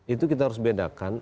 itu kita harus bedakan